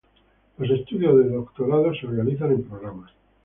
Los estudios de doctorado se organizan en programas.